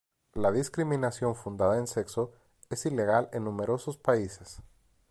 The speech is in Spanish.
La discriminación fundada en sexo es ilegal en numerosos países.